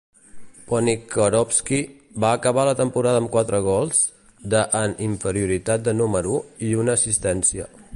Ponikarovsky va acabar la temporada amb quatre gols de en inferioritat de número i una assistència.